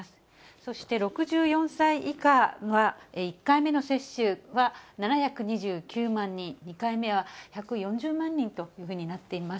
そして６４歳以下は、１回目の接種は７２９万人、２回目は１４０万人というふうになっています。